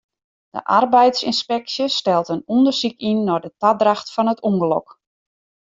De arbeidsynspeksje stelt in ûndersyk yn nei de tadracht fan it ûngelok.